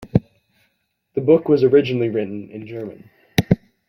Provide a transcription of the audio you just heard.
The book was originally written in German.